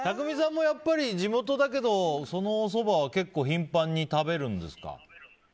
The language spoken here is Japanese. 巧さんもやっぱり地元だけどそのおそばは結構頻繁に食べるんですか？